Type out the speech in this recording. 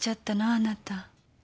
あなた。